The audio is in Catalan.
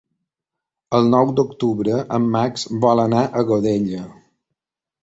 El nou d'octubre en Max vol anar a Godella.